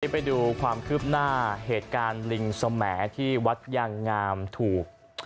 ไปดูความคืบหน้าเหตุการณ์ลิงสมที่วัดยางงามถูก